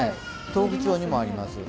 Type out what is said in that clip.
東北地方にもあります。